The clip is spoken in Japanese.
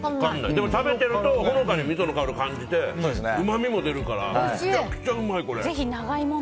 でも食べてるとほのかに、みその味を感じてうまみも出るからめちゃくちゃうまい。